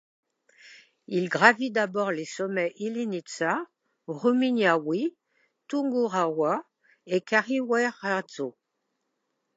Il gravit d'abord les sommets Illiniza, Rumiñawi, Tungurahua et Carihuairazo.